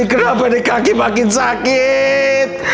ini kenapa nih kaki makin sakit